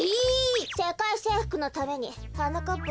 せかいせいふくのためにはなかっぱ